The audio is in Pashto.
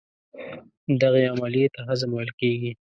دغې عملیې ته هضم ویل کېږي.